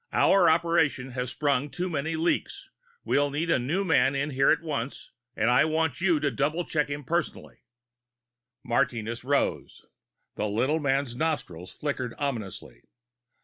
"Our operation has sprung too many leaks. We'll need a new man in here at once, and I want you to double check him personally." Martinez rose. The little man's nostrils flickered ominously.